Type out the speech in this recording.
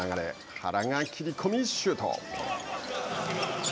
原が切り込みシュート。